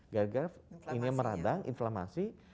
gara gara ini meradang inflamasi